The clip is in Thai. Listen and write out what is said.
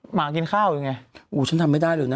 หมากินข้าวอย่างไร